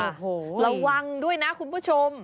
โอ้โหระวังด้วยนะคุณผู้ชม